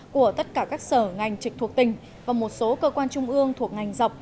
của tất cả các sở ngành trực thuộc tỉnh và một số cơ quan trung ương thuộc ngành dọc